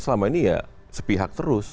selama ini ya sepihak terus